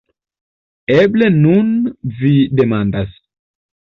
Eble nun vi demandas.